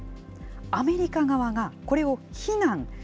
アメリカ側が、これを非難。